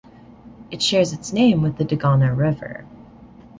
It shares its name with the Dagana River.